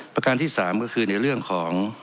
ประการที่๓ก็คือในเรื่องของ